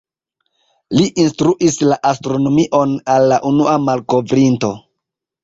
Li instruis la astronomion al la unua malkovrinto.